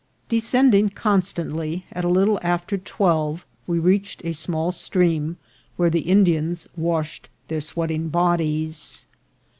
Descending con stantly, at a little after twelve we reached a small stream, where the Indians washed their sweating bodies.